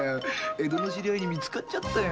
江戸の知り合いに見つかっちゃったよ。